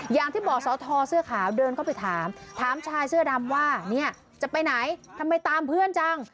อย่างที่บอกสอทอเสื้อขาวเดินเข้าไปถามถามชายเสื้อดำว่าเนี่ยจะไปไหนทำไมตามเพื่อนจัง